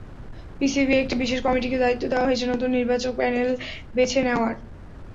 পিসিবির একটি বিশেষ কমিটিকে দায়িত্ব দেওয়া হয়েছে নতুন নির্বাচক প্যানেল বেছে নেওয়ার।